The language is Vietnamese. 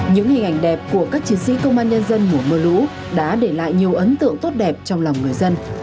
những hình ảnh đẹp của các chiến sĩ công an nhân dân mùa mưa lũ đã để lại nhiều ấn tượng tốt đẹp trong lòng người dân